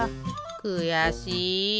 くやしい。